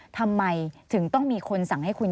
ทำไมถึงต้องมีคนสั่งให้คุณ